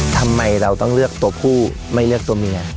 ทำไมเราต้องเลือกตัวผู้ไม่เลือกตัวเมีย